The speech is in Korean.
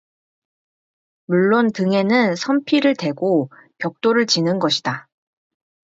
물론 등에는 섬피를 대고 벽돌을 지는 것이다.